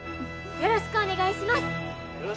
「よろしくお願いします！」。